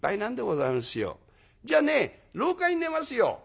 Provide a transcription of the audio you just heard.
「じゃあね廊下に寝ますよ」。